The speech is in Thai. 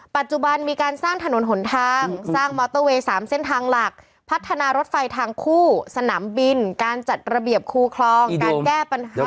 ปัจจุบันมีการสร้างถนนหนทางสร้างมอเตอร์เวย์๓เส้นทางหลักพัฒนารถไฟทางคู่สนามบินการจัดระเบียบคูคลองการแก้ปัญหา